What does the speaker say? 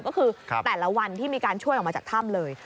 ก็คือแต่ละวันที่มีการช่วยออกมาจากถ้ำเลย